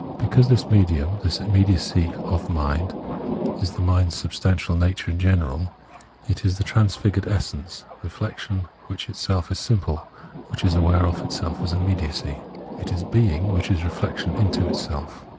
Because this medium, this immediacy of mind, is the mind's substantial nature in general, it is the transfigured essence, re flection which itself is simple, which is aware of itself as immediacy ; it is being, which is reflection into itself.